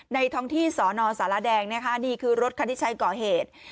ท้องที่สอนอสารแดงนะคะนี่คือรถคันที่ใช้ก่อเหตุ